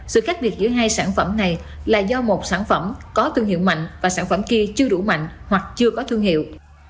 sự khác biệt giữa hai sản phẩm này là do một sản phẩm có thương hiệu mạnh và sản phẩm kia chưa đủ mạnh hoặc chưa có thương hiệu